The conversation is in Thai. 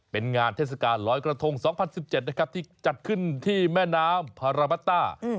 เป็นงานเทศกาลลอยกระทง๒๐๑๗นะครับที่จัดขึ้นที่แม่น้ำพาราบัตต้า